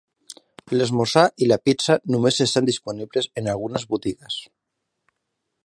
L'esmorzar i la pizza només estan disponibles en algunes botigues.